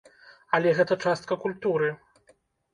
Але гэта частка культуры.